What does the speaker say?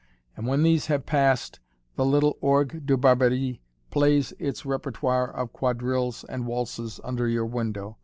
And when these have passed, the little orgue de Barbarie plays its repertoire of quadrilles and waltzes under your window.